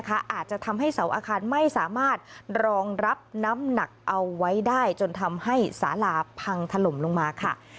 อาจจะทำให้เสาอาคารไม่สามารถรองรับน้ำหนักเอาไว้ได้จนทำให้สาลาพังถล่มลงมาค่ะ